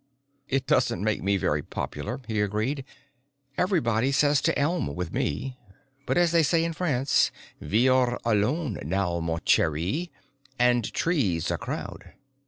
"It doesn't make me very popular," he agreed. "Everybody says to elm with me. But, as they say in France, ve are alo o one now, mon cherry, and tree's a crowd."